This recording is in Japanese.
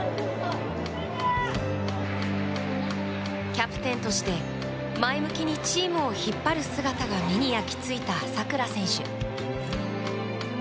キャプテンとして前向きにチームを引っ張る姿が目に焼き付いた佐倉選手。